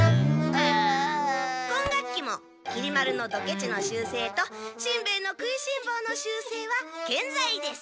今学期もきり丸のドケチの習せいとしんべヱの食いしんぼうの習せいはけんざいです。